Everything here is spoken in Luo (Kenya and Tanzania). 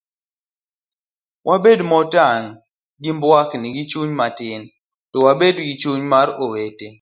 wabed motang' gi mbuakni gi chuny matin to wabed gi chuny mar owete